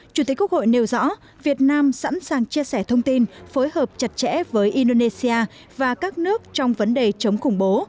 chủ tịch quốc hội nêu rõ việt nam sẵn sàng chia sẻ thông tin phối hợp chặt chẽ với indonesia và các nước trong vấn đề chống khủng bố